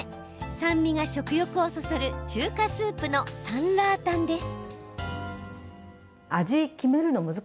酸味が食欲をそそる中華スープのサンラータンです。